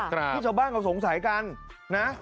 ที่ชาวบ้านเขาสงสัยกันนะ